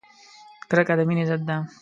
کرکه د مینې ضد ده!